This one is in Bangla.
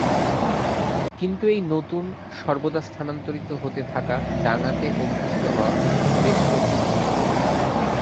কিন্তু এই নতুন, সর্বদা স্থানান্তরিত হতে থাকা ডাঙ্গাতে অভ্যস্ত হওয়া বেশ কঠিন ছিল।